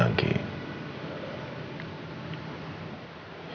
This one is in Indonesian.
kandungan kamu turun lagi